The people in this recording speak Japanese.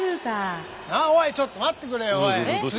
おいちょっと待ってくれよおい。